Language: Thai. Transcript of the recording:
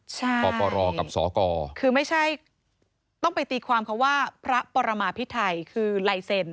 ใช่คือไม่ใช่ต้องไปตีความคำว่าพระปรมาภิไทยคือไลเซ็น